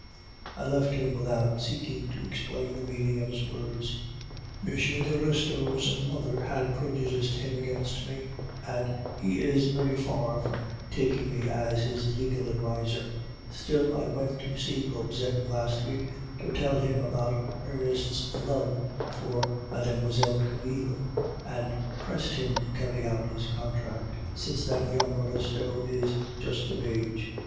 "I left him without seeking to explain the meaning of his words. "M. de Restaud's mother has prejudiced him against me, and he is very far from taking me as his legal adviser; still, I went to see Gobseck last week to tell him about Ernest's love for Mlle. Camille, and pressed him to carry out his contract, since that young Restaud is just of age.